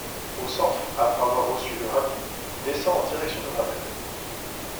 Au centre, après avoir reçu le Rabbi, descend en direction de Ravenne.